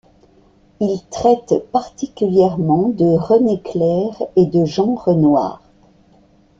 Il traite particulièrement de René Clair et de Jean Renoir.